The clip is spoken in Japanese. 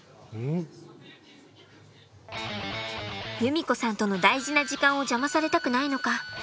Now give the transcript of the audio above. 由実子さんとの大事な時間を邪魔されたくないのか